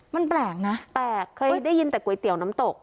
มันแปลกนะแปลกเคยได้ยินแต่ก๋วยเตี๋ยวน้ำตก